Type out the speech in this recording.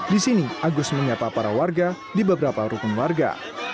di sini agus menyapa para warga di beberapa rukun warga